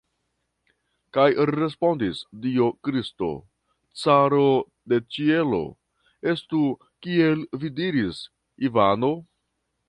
Kaj respondis Dio Kristo, caro de ĉielo: "Estu, kiel vi diris, Ivano!"